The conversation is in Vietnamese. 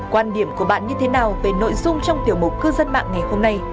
quan điểm của bạn như thế nào về nội dung trong tiểu mục cư dân mạng ngày hôm nay